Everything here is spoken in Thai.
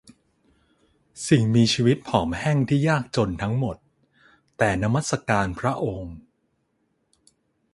สิ่งมีชีวิตผอมแห้งที่ยากจนทั้งหมด แต่นมัสการพระองค์